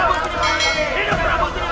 hidup rambut semangat